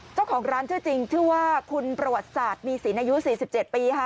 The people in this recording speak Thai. เจ้าของร้านชื่อจริงชื่อว่าคุณประวัติศาสตร์มีสินอายุ๔๗ปีค่ะ